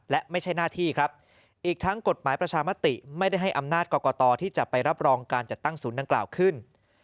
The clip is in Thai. และไม่ใช่หน้าที่ครับอีกทั้งกฎหมายประชามติไม่ได้ให้อำนาจกรกตที่จะไปรับรองการจัดตั้งศูนย์ดังกล่าวขึ้น